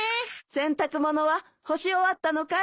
洗濯物は干し終わったのかい？